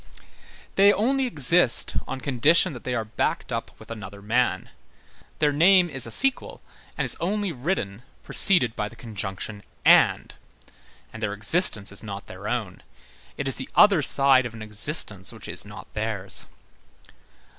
They only exist on condition that they are backed up with another man; their name is a sequel, and is only written preceded by the conjunction and; and their existence is not their own; it is the other side of an existence which is not theirs.